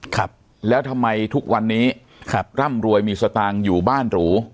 ครับแล้วทำไมทุกวันนี้ครับร่ำรวยมีสตางค์อยู่บ้านหรู